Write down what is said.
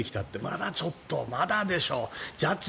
まだちょっと、まだでしょ。